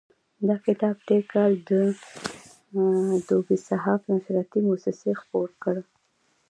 دا کتاب تېر کال دوبی صحاف نشراتي موسسې خپور کړ.